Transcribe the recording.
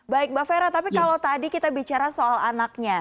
baik mbak fera tapi kalau tadi kita bicara soal anaknya